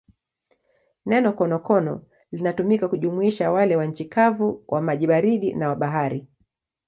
Neno konokono linatumika kujumuisha wale wa nchi kavu, wa maji baridi na wa bahari.